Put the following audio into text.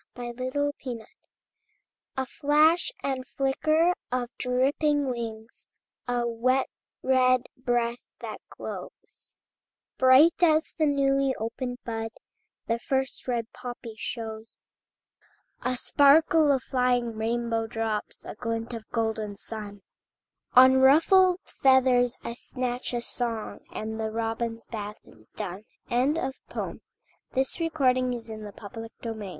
THE ROBIN'S BATH A flash and flicker of dripping wings, A wet red breast that glows Bright as the newly opened bud The first red poppy shows, A sparkle of flying rainbow drops, A glint of golden sun On ruffled feathers, a snatch of song, And the robin's bath is done. THE FROSTED PANE When I wakened, very early, All my